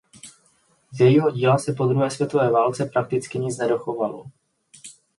Z jejího díla se po druhé světové válce prakticky nic nedochovalo.